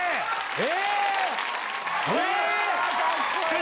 え！